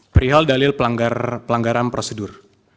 perihal dalil pelanggaran prosedur